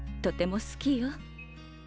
とても好きよ。